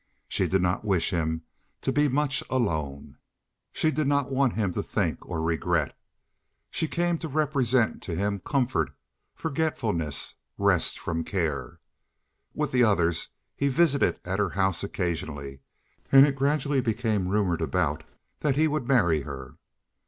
She did not wish him to be much alone. She did not want him to think or regret. She came to represent to him comfort, forgetfulness, rest from care. With the others he visited at her house occasionally, and it gradually became rumored about that he would marry her.